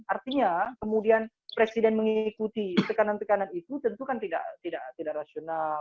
artinya kemudian presiden mengikuti tekanan tekanan itu tentu kan tidak rasional